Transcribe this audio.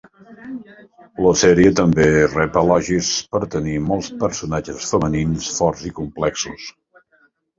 La sèrie també rep elogis per tenir molts personatges femenins forts i complexos.